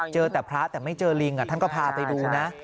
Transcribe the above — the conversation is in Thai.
เจอแต่พระแต่ไม่เจอลิงท่านก็พาไปดูนะ